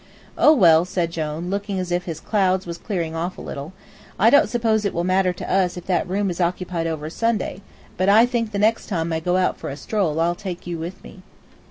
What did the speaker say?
"Oh, well," said Jone, looking as if his clouds was clearing off a little, "I don't suppose it will matter to us if that room is occupied over Sunday, but I think the next time I go out for a stroll I'll take you with me."